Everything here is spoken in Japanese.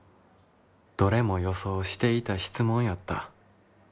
「どれも予想していた質問やった」。